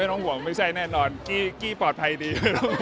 ต้องห่วงไม่ใช่แน่นอนกี้ปลอดภัยดี